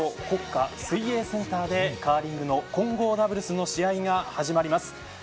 国家水泳センターでカーリングの混合ダブルスの試合が始まります。